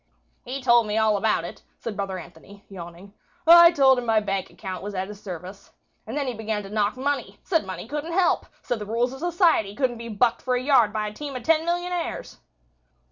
"He told me all about it," said brother Anthony, yawning. "I told him my bank account was at his service. And then he began to knock money. Said money couldn't help. Said the rules of society couldn't be bucked for a yard by a team of ten millionaires."